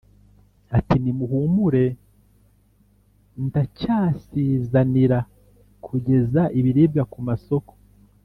nti: «nimuhumure ndacyasizanira kugeza ibiribwa ku masoko